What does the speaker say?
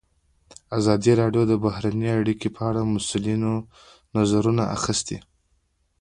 ازادي راډیو د بهرنۍ اړیکې په اړه د مسؤلینو نظرونه اخیستي.